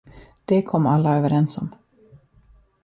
Det kom alla överens om.